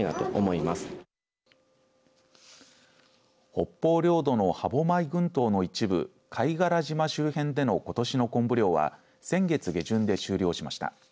北方領土の歯舞群島の一部貝殻島周辺でのことしのコンブ漁は先月下旬で終了しました。